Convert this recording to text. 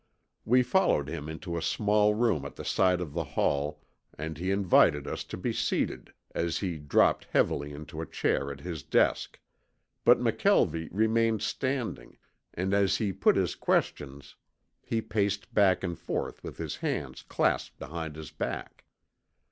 We followed him into a small room at the side of the hall and he invited us to be seated, as he dropped heavily into a chair at his desk, but McKelvie remained standing, and as he put his questions he paced back and forth with his hands clasped behind his back.